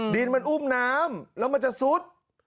ดินมันอุ้มน้ำแล้วมันจะซุด